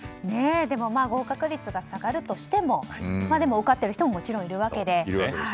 でも合格率が下がるとしても受かっている人ももちろんいるわけで。